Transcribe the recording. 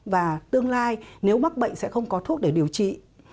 và tương lai nếu mắc bệnh sẽ không có thuốc để điều trị